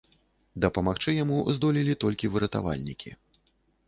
Дапамагчы яму здолелі толькі выратавальнікі.